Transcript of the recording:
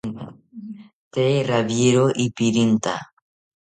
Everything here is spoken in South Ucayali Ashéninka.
Tee rawiero ipirintha